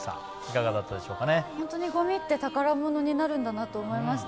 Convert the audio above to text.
本当にごみって宝物になるんだなって思いました。